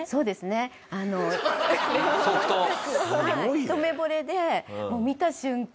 一目惚れで見た瞬間